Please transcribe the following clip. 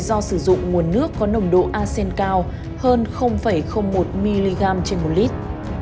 do sử dụng nguồn nước có nồng độ asean cao hơn một mg trên một lít